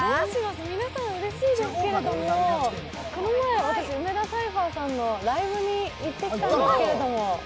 皆さんうれしいですけどこの前、私梅田サイファーさんのライブに行ってきたんですけど。